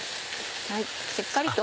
しっかりと。